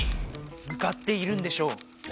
むかっているんでしょう。